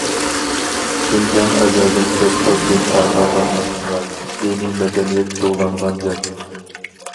شىنجاڭ ئەزەلدىن كۆپ خىل دىن تارقالغان مۇھىم رايون، دىنىي مەدەنىيەت جۇغلانغان جاي.